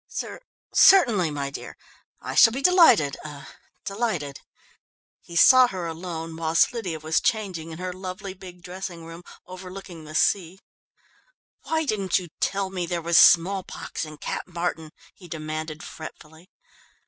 "Cer certainly, my dear I shall be delighted er delighted." He saw her alone whilst Lydia was changing in her lovely big dressing room, overlooking the sea. "Why didn't you tell me there was smallpox in Cap Martin?" he demanded fretfully.